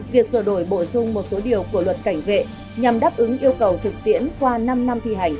việc sửa đổi bổ sung một số điều của luật cảnh vệ nhằm đáp ứng yêu cầu thực tiễn qua năm năm thi hành